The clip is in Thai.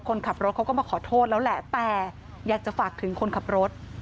คนขับรถเขาก็มาขอโทษแล้วแหละแต่อยากจะฝากถึงคนขับรถ